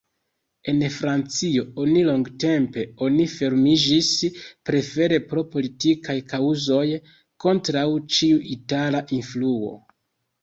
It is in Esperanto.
En Francio oni longtempe oni fermiĝis, prefere pro politikaj kaŭzoj, kontraŭ ĉiu itala influo.